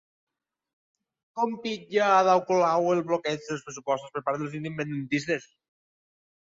Com titlla Ada Colau el bloqueig dels pressupostos per part dels independentistes?